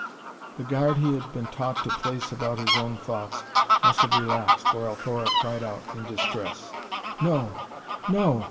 The guard he had been taught to place about his own thoughts must have relaxed, for Althora cried out in distress. "No no!"